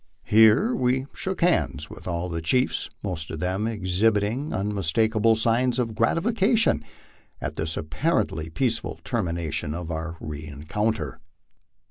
Here we shook hands with all of the chiefs, most of them exhibiting unmistakable signs of gratification at this apparently peaceful termination of our rencounter.